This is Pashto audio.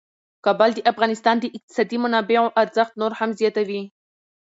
کابل د افغانستان د اقتصادي منابعو ارزښت نور هم زیاتوي.